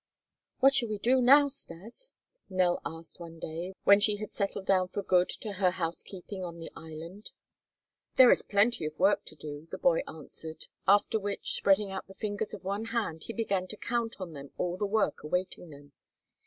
"What shall we do now, Stas?" Nell asked one day, when she had settled down for good to her housekeeping on the "island." "There is plenty of work to do," the boy answered, after which, spreading out the fingers of one hand, he began to count on them all the work awaiting them.